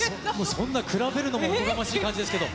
そんな比べるのも、おこがましい感じですけど。